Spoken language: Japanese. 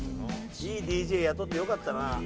いいＤＪ雇ってよかったな。